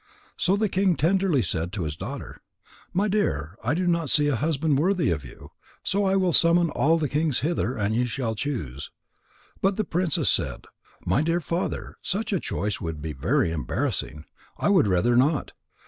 So the king tenderly said to his daughter: "My dear, I do not see a husband worthy of you, so I will summon all the kings hither, and you shall choose." But the princess said: "My dear father, such a choice would be very embarrassing. I would rather not.